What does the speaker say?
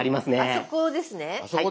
あそこですね。